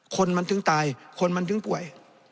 คนมันถึงตายคนมันถึงป่วย